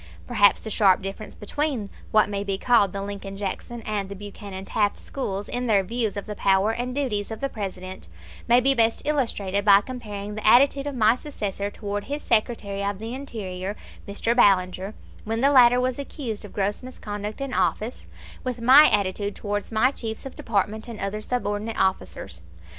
Perhaps the sharp difference between what may be called the Lincoln Jackson and the Buchanan Taft schools, in their views of the power and duties of the President, may be best illustrated by comparing the attitude of my successor toward his Secretary of the Interior, Mr. Ballinger, when the latter was accused of gross misconduct in office, with my attitude towards my chiefs of department and other subordinate officers.